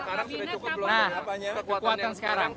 ada dalamnya sang